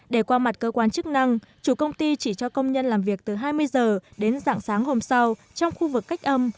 để qua mặt cơ quan chức năng chủ công ty chỉ cho công nhân làm việc từ hai mươi h đến dạng sáng hôm sau trong khu vực cách âm